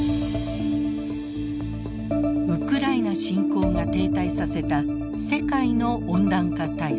ウクライナ侵攻が停滞させた世界の温暖化対策。